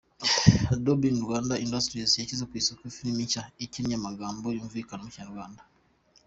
Dubbing Rwanda Industries yashyize ku isoko filimi nshya ikinnye amagambo yumvikana mu Kinyarwanda.